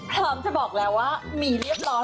พร้อมจะบอกแล้วว่ามีเรียบร้อย